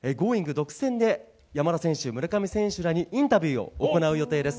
独占で山田選手、村上選手らにインタビューを行う予定です。